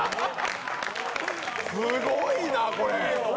すごいなこれ。